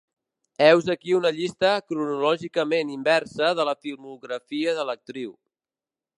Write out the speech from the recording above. Heus aquí una llista cronològicament inversa de la filmografia de l'actriu.